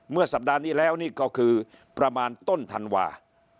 สัปดาห์นี้แล้วนี่ก็คือประมาณต้นธันวา